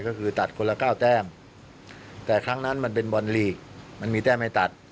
ก็คือตัดคนละ๙แต้มแต่ครั้งนั้นมันเป็นบอลลีกมันมีแต้มให้ตัด